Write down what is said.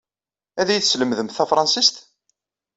Ad iyi-teslemdemt tafṛensist?